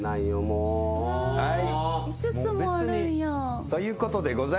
はい。